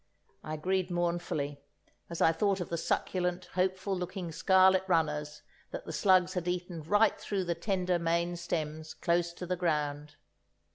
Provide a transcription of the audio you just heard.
I agreed mournfully, as I thought of the succulent, hopeful looking scarlet runners that the slugs had eaten right through the tender main stems close to the ground.